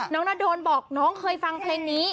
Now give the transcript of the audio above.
นาโดนบอกน้องเคยฟังเพลงนี้